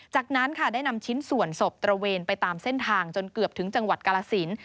จากนั้นค่ะได้นำชิ้นส่วนศพตระเวนไปตามเส้นทางจนเกือบถึงจังหวัดกาลสิน